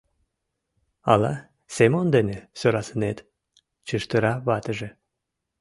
Ала Семон дене сӧрасынет? — чыштыра ватыже.